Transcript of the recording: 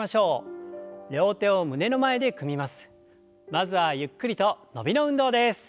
まずはゆっくりと伸びの運動です。